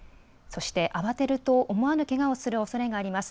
そして慌てると思わぬけがをするおそれがあります。